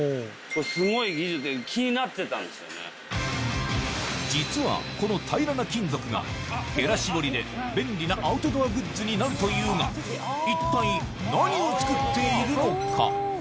その実はこの平らな金属がへら絞りで便利なアウトドアグッズになるというが一体何を作っているのか？